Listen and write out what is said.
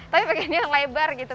tapi pakai ini yang lebar gitu